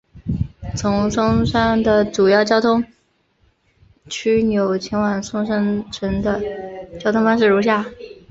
从松山的主要交通枢纽前往松山城的交通方式如下。